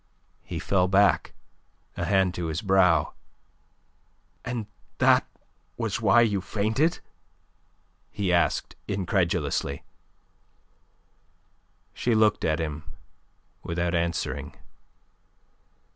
He fell back, a hand to his brow. "And that was why you fainted?" he asked incredulously. She looked at him without answering.